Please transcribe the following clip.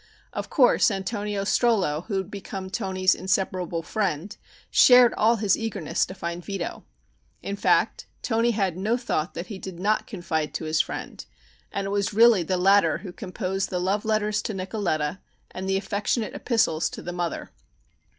Of course Antonio Strollo, who had become Toni's inseparable friend, shared all his eagerness to find Vito. In fact, Toni had no thought that he did not confide to his friend, and it was really the latter who composed the love letters to Nicoletta and the affectionate epistles to the mother.